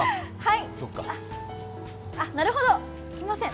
なるほど、すみません。